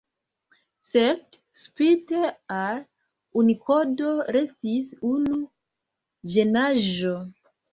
Sed spite al Unikodo restis unu ĝenaĵo.